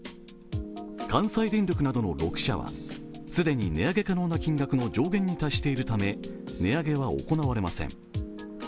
関西電力などの６社は既に値上げ可能な金額の上限に達しているため値上げは行われません。